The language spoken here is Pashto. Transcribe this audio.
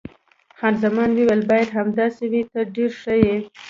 خان زمان وویل: باید همداسې وي، ته ډېر ښه یې.